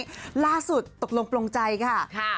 ว่าล่าสุดตบลงใจค่ะ